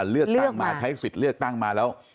เลือกตั้งมาใช้สิทธิ์เลือกตั้งมาแล้ว